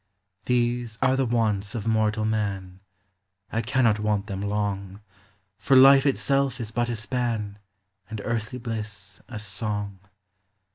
These are the Wants of mortal Man, — I cannot want them long, For life itself is but a span, And earthly bliss— a song.